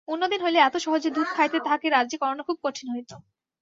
অন্যদিন হইলে এত সহজে দুধ খাইতে তাহাকে রাজি করানো খুব কঠিন হইত।